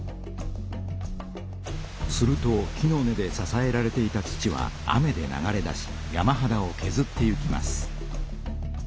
すると木の根でささえられていた土は雨で流れ出し山はだをけずっていきます。